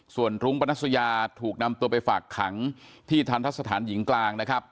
ส่วนรุ้งปนัสยาถูกนำตัวไปฝากขังที่ทันทะสถานหญิงกลางนะครับ